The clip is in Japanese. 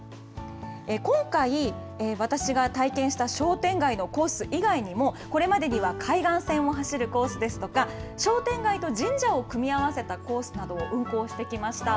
今回、私が体験した商店街のコース以外にも、これまでには海岸線を走るコースですとか、商店街と神社を組み合わせたコースなどを運行してきました。